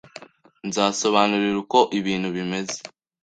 Nzasobanurira uko ibintu bimeze.